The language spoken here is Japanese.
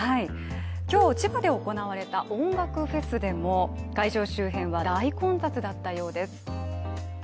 今日、千葉で行われた音楽フェスでも会場周辺は大混雑だったようです。